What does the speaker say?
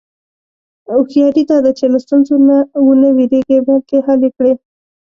هوښیاري دا ده چې له ستونزو نه و نه وېرېږې، بلکې حل یې کړې.